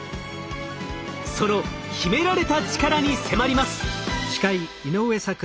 その秘められたチカラに迫ります。